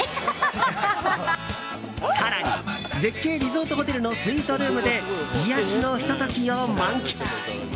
更に、絶景リゾートホテルのスイートルームで癒やしのひと時を満喫。